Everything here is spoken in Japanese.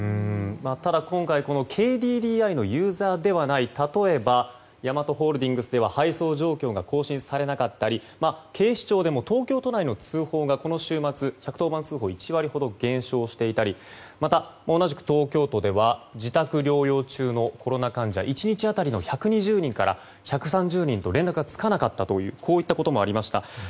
ただ今回このＫＤＤＩのユーザーではない例えばヤマトホールディングスでは配送状況が更新されなかったり警視庁でも東京都内でこの週末１１０番通報１割ほど減少していたりまた、同じく東京都では自宅療養中のコロナ患者１日当たりの１２０人から１３０人と連絡がつかなかったということもありました。